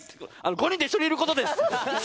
５人で一緒にいることです！